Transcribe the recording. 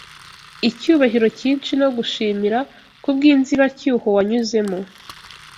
Icyubahiro cyinshi no gushimira, Kubwinzibacyuho wanyuzemo